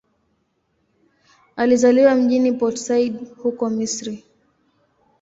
Alizaliwa mjini Port Said, huko Misri.